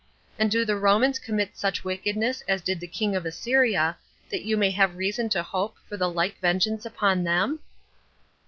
And do the Romans commit such wickedness as did the king of Assyria, that you may have reason to hope for the like vengeance upon them?